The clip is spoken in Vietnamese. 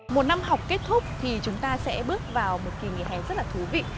một năm học kết thúc thì chúng ta sẽ bước vào một kỳ nghỉ hè rất là thú vị